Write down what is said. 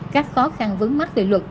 các khó khăn vấn mắt lựa luật